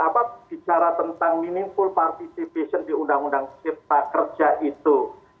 apa bicara tentang meaningful participation di undang undang cipta kerja itu